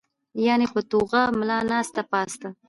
يعني پۀ ټوغه ملا ناسته پاسته